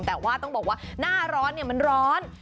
แต่ว่าต้องบอกว่าหน้าร้อนมันร้อน